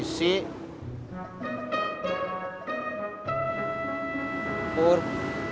ada apa be